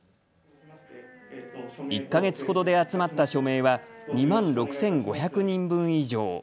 １か月ほどで集まった署名は２万６５００人分以上。